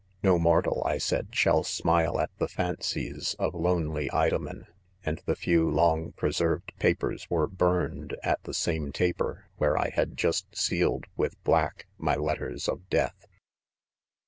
"No mortal, I said, shall smile 'at the fancies of lonely Women !— and the few long preserved papers were burned, at the same taper, where I had just sealed,, with Hack, my letters of death,' ■